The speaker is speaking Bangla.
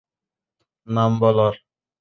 নাম বল ওর!